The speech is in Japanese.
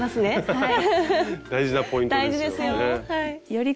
はい。